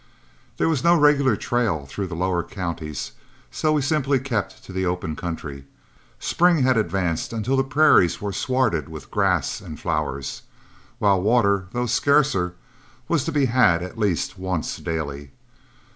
There was no regular trail through the lower counties, so we simply kept to the open country. Spring had advanced until the prairies were swarded with grass and flowers, while water, though scarcer, was to be had at least once daily.